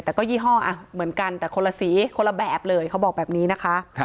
แต่ก็ยี่ห้อเหมือนกันแต่คนละสีคนละแบบเลยเขาบอกแบบนี้นะคะ